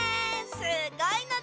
すごいのだ！